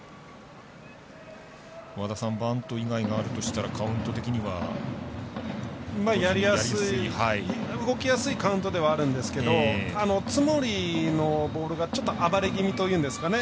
バント以外があるとしたらカウント的には。やりやすい動きやすいカウントではあるんですけど津森のボールが暴れ気味というんですかね。